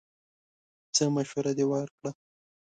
څه مشوره دې ورکړه!